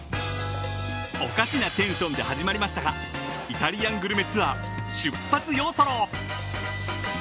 ［おかしなテンションで始まりましたがイタリアングルメツアー出発ヨーソロー］